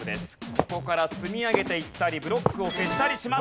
ここから積み上げていったりブロックを消したりしますが。